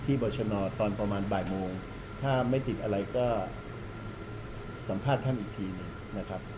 บรชนตอนประมาณบ่ายโมงถ้าไม่ติดอะไรก็สัมภาษณ์ท่านอีกทีหนึ่งนะครับ